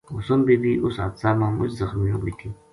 حسن بی بی اس حادثہ ما مُچ زخمی ہو گئی تھی